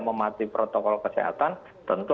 mematikan protokol kesehatan tentu